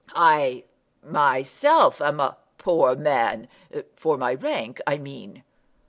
I myself am a poor man; for my rank I mean."